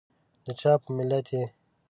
دچا په ملت یي؟